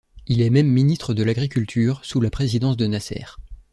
Il est même ministre de l'agriculture sous la présidence de Nasser.